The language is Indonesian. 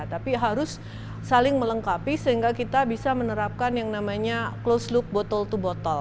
tapi harus saling melengkapi sehingga kita bisa menerapkan yang namanya close look bottle to bottle